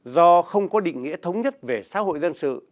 do không có định nghĩa thống nhất về xã hội dân sự